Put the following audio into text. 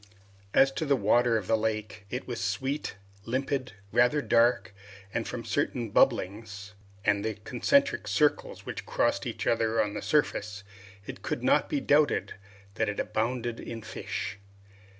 As to the water of the lake, it was sweet, limpid, rather dark, and from certain bubblings, and the concentric circles which crossed each other on the surface, it could not be doubted that it abounded in fish.